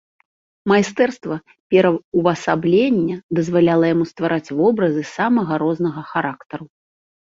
Майстэрства пераўвасаблення дазваляла яму ствараць вобразы самага рознага характару.